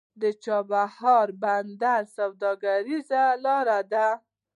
د چابهار بندر سوداګریزه لاره ده